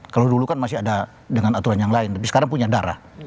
kalau dulu kan masih ada dengan aturan yang lain tapi sekarang punya darah